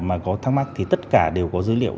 mà có thắc mắc thì tất cả đều có dữ liệu